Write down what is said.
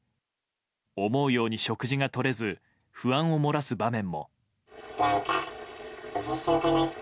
思うように食事がとれず不安を漏らす場面も。